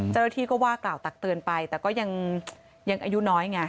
เจ้าหน้าที่ก็ว่ากล่าวตักเตือนไปแต่ก็ยังอายุน้อยไง